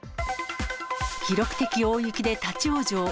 記録的大雪で立往生。